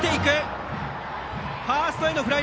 ファーストへのフライ。